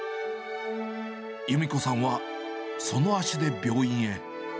ゆみ子さんはその足で病院へ。